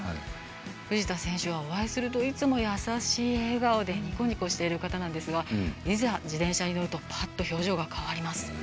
藤田選手はお会いするといつも優しい笑顔でニコニコしている方なんですがいざ自転車に乗るとぱっと表情が変わります。